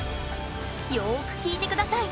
よく聴いて下さい！